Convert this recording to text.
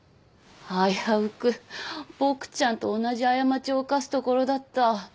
危うくボクちゃんと同じ過ちを犯すところだった。